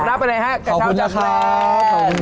รับไปนะฮะกระเช้าจากแบรนด์